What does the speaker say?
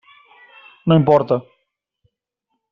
No importa.